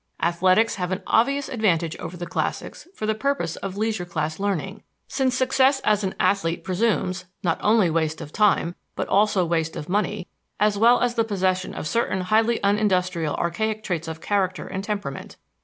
Athletics have an obvious advantage over the classics for the purpose of leisure class learning, since success as an athlete presumes, not only waste of time, but also waste of money, as well as the possession of certain highly unindustrial archaic traits of character and temperament.